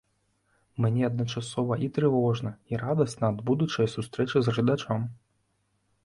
Мне адначасова і трывожна, і радасна ад будучай сустрэчы з гледачом.